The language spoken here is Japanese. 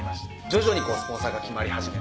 徐々にスポンサーが決まり始めて。